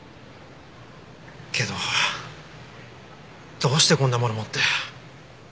けどどうしてこんなもの持って。